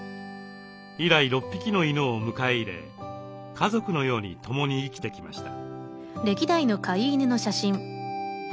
以来６匹の犬を迎え入れ家族のように共に生きてきました。